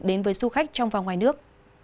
đến với du khách trong và ngoài nước